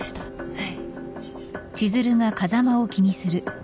はい。